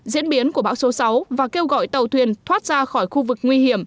diễn biến của bão số sáu và kêu gọi tàu thuyền thoát ra khỏi khu vực nguy hiểm